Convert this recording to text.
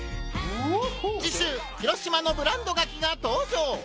次週広島の「ブランドガキ」が登場！